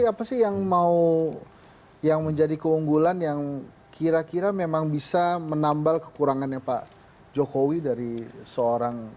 apa sih yang mau yang menjadi keunggulan yang kira kira memang bisa menambal kekurangannya pak jokowi dari seorang